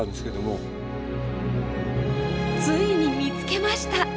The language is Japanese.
ついに見つけました。